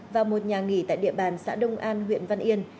vào một nhà nghỉ tại địa bàn xã đông an huyện văn yên